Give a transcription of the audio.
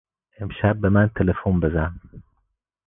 امشب به من تلفن بزن.